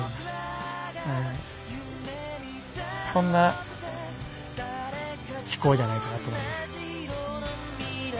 そんな思考じゃないかなと思いますよ。